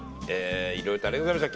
いろいろとありがとうございました。